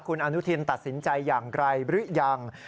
คุณอนุทินตัดสินใจอย่างไกลหรือยัง